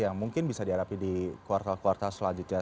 yang mungkin bisa dihadapi di kuartal kuartal selanjutnya